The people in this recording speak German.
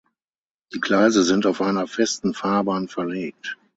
Die Gleise sind auf einer Festen Fahrbahn verlegt.